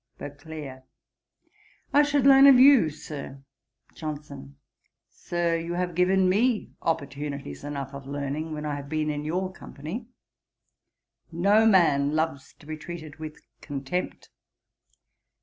BEAUCLERK. 'I should learn of you, Sir.' JOHNSON. 'Sir, you have given me opportunities enough of learning, when I have been in your company. No man loves to be treated with contempt.'